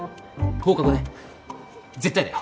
放課後ね絶対だよ